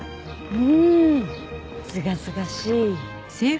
うん！すがすがしい！